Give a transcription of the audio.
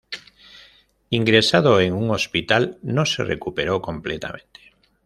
Ingresado en un hospital, no se recuperó completamente.